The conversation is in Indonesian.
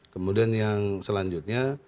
kemudian yang selanjutnya